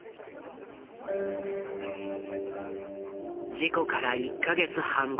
事故から１か月半後。